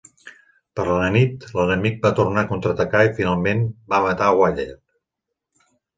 Per la nit, l'enemic va tornar a contraatacar i, finalment, va matar a Waller.